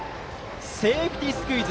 セーフティースクイズ。